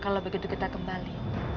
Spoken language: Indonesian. kalau begitu kita kembali